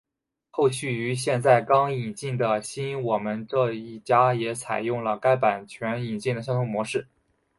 后续于现在刚引进的新我们这一家也采用了该版权引进的相同模式。